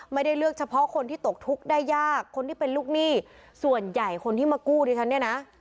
ไม่ได้เลือกเฉพาะคนที่ตกทุกข์ได้ยากคนที่เป็นลูกหนี้ส่วนใหญ่คนที่มากู้ดิฉันเนี่ยนะ